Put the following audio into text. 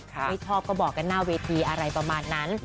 ไม่ชอบก็บอกกันหน้าเวทีอะไรประมาณนั้น